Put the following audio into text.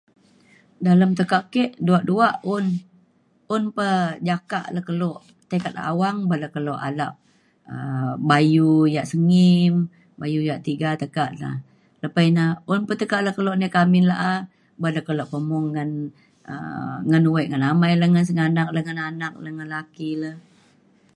dalem tekak ke dua dua un un pa jakak le kelo tei ke awang ban da kelo alak um bayu yak sengim bayu yak tiga tekak da. lepa ina un pa tekak le kelo nai ke amin la’a ban le kelo pemung ngan um ngan wek ngan amai le ngan sengganak le ngan anak le ngan laki le